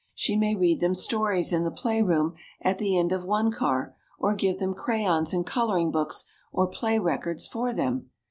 She may read them stories in the playroom at the end of one car, or give them crayons and coloring books, or play records for them.